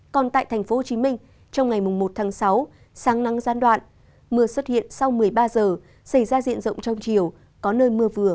còn tại tp hcm trong ngày một tháng sáu sáng nắng gián đoạn mưa xuất hiện sau một mươi ba giờ xảy ra diện rộng trong chiều có nơi mưa vừa